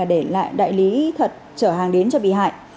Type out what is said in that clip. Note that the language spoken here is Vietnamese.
để lại đại lý thật trở hàng đến cho bị hại